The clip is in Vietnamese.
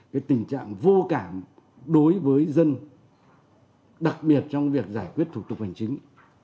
cái tình trạng vô cảm đối với dân đặc biệt trong việc giải quyết thủ tục hành chính